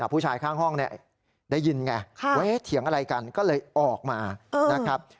ผู้ชายข้างห้องเนี่ยได้ยินไงว่าเถียงอะไรกันก็เลยออกมานะครับ